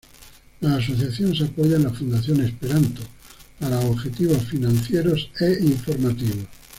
La asociación se apoya en la Fundación Esperanto, para objetivos financieros e informativos.